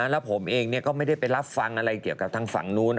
แล้วผมเองก็ไม่ได้ไปรับฟังอะไรเกี่ยวกับทางฝั่งนู้น